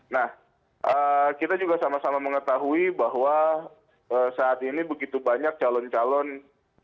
nah kita juga sama sama mengetahui bahwa saat ini begitu banyak calon calon